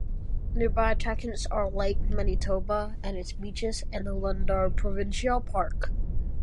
Nearby attractions are Lake Manitoba and its beaches, and the Lundar Provincial Park.